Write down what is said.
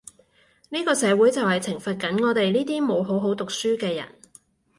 呢個社會就係懲罰緊我哋呢啲冇好好讀書嘅人